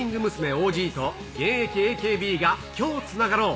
ＯＧと現役ＡＫＢが今日つながろう。